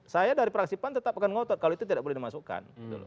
saya dari praksipan tetap akan ngotot kalau itu tidak boleh dimasukkan